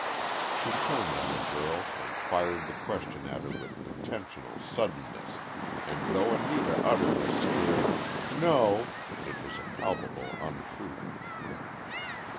She turned on the girl and fired the question at her with intentional suddenness, and though Anita uttered a scared, "No," it was a palpable untruth.